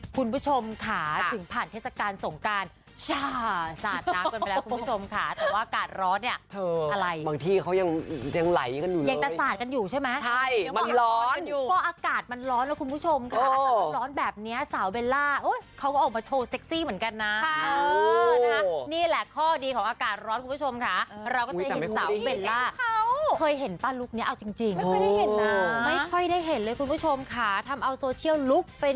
คุณผู้ชมค่ะถึงผ่านเทศกาลสงการ